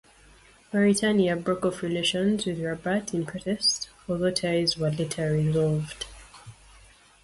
Mauritania broke off relations with Rabat in protest, although ties were later restored.